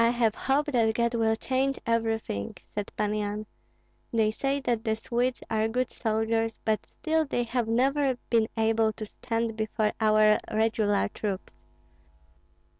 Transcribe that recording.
"I have hope that God will change everything," said Pan Yan. "They say that the Swedes are good soldiers, but still they have never been able to stand before our regular troops.